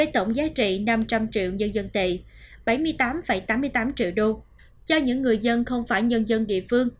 tổng giá trị năm trăm linh triệu dân dân tệ bảy mươi tám tám mươi tám triệu đô cho những người dân không phải nhân dân địa phương